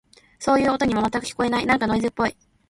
そういう音には、全く聞こえない。なんかノイズっぽい。